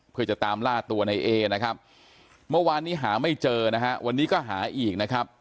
เพื่อจะตามล่าตัวในเอนะครับเมื่อวานนี้หาไม่เจอนะฮะวันนี้ก็หาอีกนะครับ